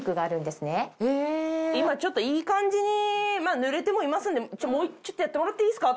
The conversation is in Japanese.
今ちょっといい感じにぬれてもいますんでもうちょっとやってもらっていいですか？